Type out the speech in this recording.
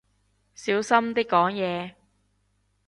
小心啲講嘢